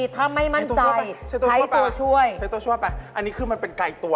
ตอบ๒อันนี้ค่ะ